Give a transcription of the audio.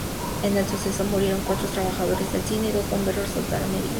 En el suceso, murieron cuatro trabajadores del cine y dos bomberos resultaron heridos.